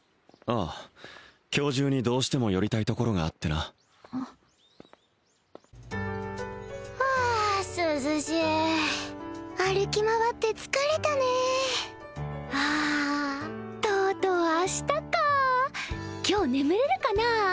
ああ今日中にどうしても寄りたいところがあってなはあ涼しい歩き回って疲れたねはあとうとう明日か今日眠れるかな？